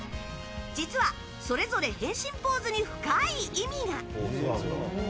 実は、それぞれ変身ポーズに深い意味が。